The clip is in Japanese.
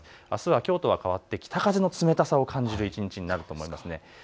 あすはきょうとは変わって北風の冷たさを感じる一日になると思います。